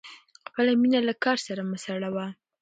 خپله مینه له کار سره مه سړوه.